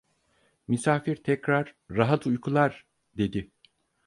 Misafir tekrar: "Rahat uykular!" dedi.